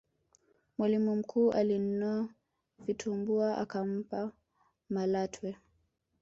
mwalimu mkuu alinunua vitumbua akampa malatwe